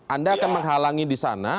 anda akan menghalangi di sana